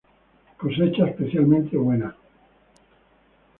Cosecha especialmente buena.